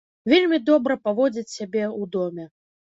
Вельмі добра паводзіць сябе ў доме.